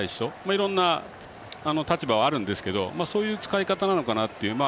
いろんな立場があるんですがそういう使い方なのかなと。